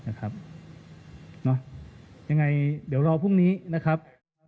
ยังไงเดี๋ยวรอพรุ่งนี้นะครับ